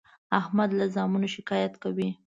احمد له زامنو شکایت کوي.